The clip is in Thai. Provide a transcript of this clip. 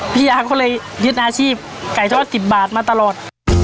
พี่อาก็เลยยึดอาชีพไก่ทอด๑๐บาทมาตลอด